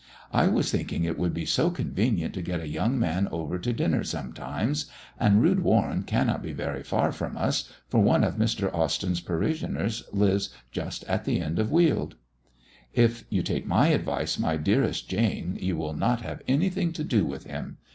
"I was thinking it would be so convenient to get a young man over to dinner sometimes; and Rood Warren cannot be very far from us, for one of Mr. Austyn's parishioners lives just at the end of Weald." "If you take my advice, my dearest Jane, you will not have anything to do with him.